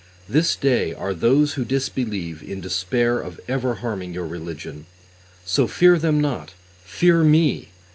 This day are those who disbelieve in despair of (ever harming) your religion; so fear them not, fear Me!